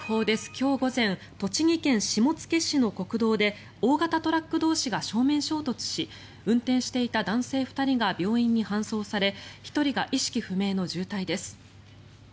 今日午前、栃木県下野市の国道で大型トラック同士が正面衝突し運転していた男性２人が病院に搬送され１人が意識不明の重体です。